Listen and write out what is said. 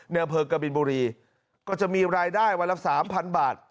เนื้อเผลอกะบินบุรีก็จะมีรายได้วันละสามพันบาท